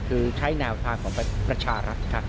คือใช้แนวทางของประชารัฐค่ะ